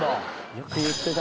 よく言ってた。